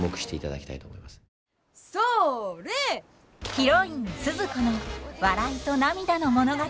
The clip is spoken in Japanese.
ヒロインスズ子の笑いと涙の物語。